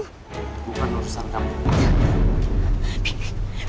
bukan urusan kamu